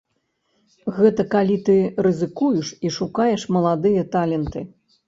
Гэта калі ты рызыкуеш і шукаеш маладыя таленты.